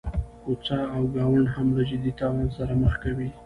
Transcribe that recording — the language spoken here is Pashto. کوڅه او ګاونډ هم له جدي تاوان سره مخ کوي.